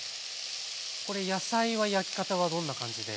これ野菜は焼き方はどんな感じで？